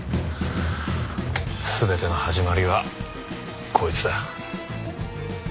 全ての始まりはこいつだ。